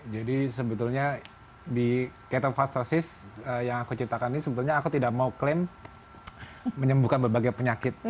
jadi sebetulnya di ketovastosis yang aku ceritakan ini sebetulnya aku tidak mau klaim menyembuhkan berbagai penyakit